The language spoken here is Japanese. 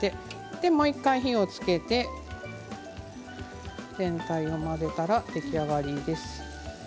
もう一度火をつけて全体を混ぜたら出来上がりです。